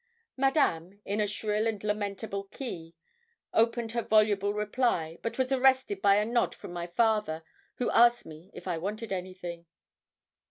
Madame, in a shrill and lamentable key, opened her voluble reply, but was arrested by a nod from my father, who asked me if I wanted anything.